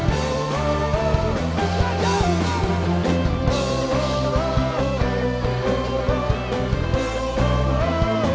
untuk kekayaan anda di hatimu